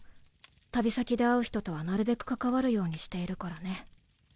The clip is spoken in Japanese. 旅先で会う人とはなるべく関わるようにしているからね。